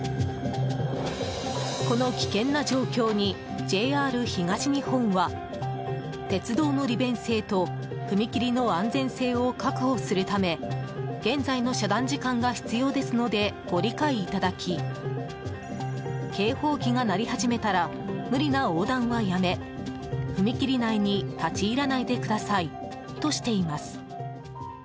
この危険な状況にＪＲ東日本は鉄道の利便性と踏切の安全性を確保するため現在の遮断時間が必要ですのでご理解いただき警報機が鳴り始めたら無理な横断はやめ踏切内に立ち入らないでくださいとしています。